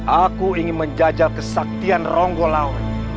aku ingin menjajal kesaktian ronggolawe